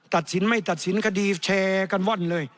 ตัดสินไม่ตัดสินคดีแชร์กันว่อนเลย